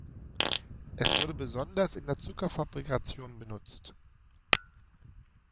Es wurde besonders in der Zuckerfabrikation benutzt.